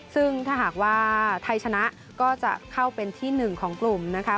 ซึ่งถ้าหากว่าไทยชนะก็จะเข้าเป็นที่หนึ่งของกลุ่มนะคะ